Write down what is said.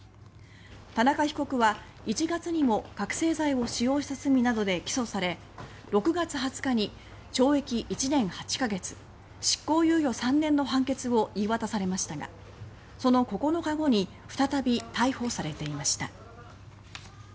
田中被告は、１月にも覚醒剤を使用した罪などで起訴され６月２０日に懲役１年８か月執行猶予３年の判決を言い渡されましたがその９日後に再び逮捕されていました。